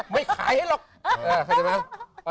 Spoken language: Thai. ไม่ขายให้หรอก